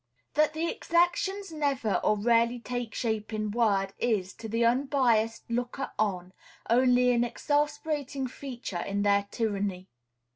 That the exactions never or rarely take shape in words is, to the unbiassed looker on, only an exasperating feature in their tyranny.